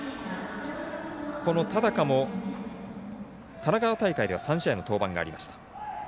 田高も神奈川大会では３試合の登板がありました。